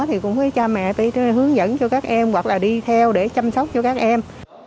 thì cũng với cha mẹ đi hướng dẫn cho các em hoặc là đi theo để chăm sóc cho các em